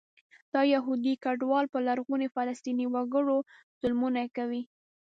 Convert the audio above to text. دا یهودي کډوال په لرغوني فلسطیني وګړو ظلمونه کوي.